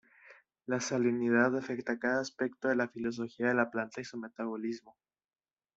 La salinidad afecta cada aspecto de la fisiología de la planta y su metabolismo.